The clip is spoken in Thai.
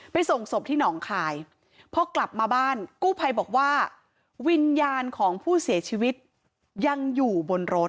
ส่งศพที่หนองคายพอกลับมาบ้านกู้ภัยบอกว่าวิญญาณของผู้เสียชีวิตยังอยู่บนรถ